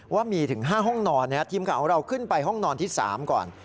ว่ามีถึง๕ห้องนอนทีมข่าวของเราขึ้นไปห้องนอนที่๓ก่อน